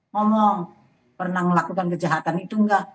ngomong pernah melakukan kejahatan itu enggak